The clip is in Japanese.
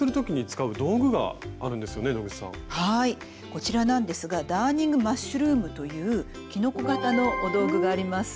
こちらなんですがダーニングマッシュルームというキノコ型の道具があります。